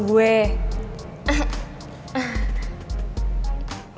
nggak ada yang follow